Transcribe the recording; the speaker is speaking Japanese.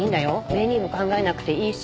メニューも考えなくていいし。